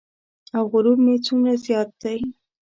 او غرور مې څومره زیات دی.